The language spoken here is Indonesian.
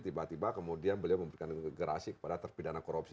tiba tiba kemudian beliau memberikan gerasi kepada terpidana korupsi